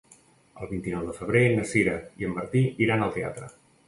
El vint-i-nou de febrer na Sira i en Martí iran al teatre.